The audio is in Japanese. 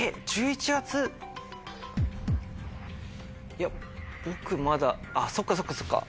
いや僕まだそっかそっか。